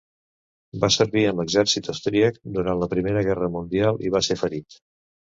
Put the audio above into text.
Va servir en l'exèrcit austríac durant la Primera Guerra mundial i va ser ferit.